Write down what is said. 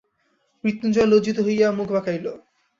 মৃত্যুঞ্জয় লজ্জিত হইয়া মুখ বাঁকাইল।